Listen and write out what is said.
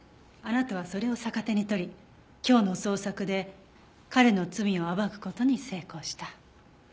あなたはそれを逆手に取り今日の捜索で彼の罪を暴く事に成功した。